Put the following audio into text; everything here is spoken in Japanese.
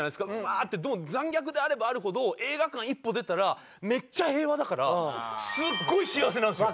でも残虐であればあるほど映画館一歩出たらめっちゃ平和だからすっごい幸せなんですよ。